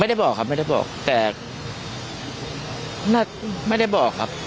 ไม่ได้บอกครับไม่ได้บอกแต่ไม่ได้บอกครับ